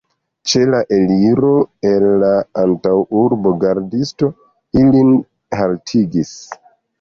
Ĉe la eliro el la antaŭurbo gardisto ilin haltigis.